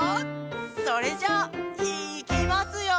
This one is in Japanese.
それじゃいきますよ！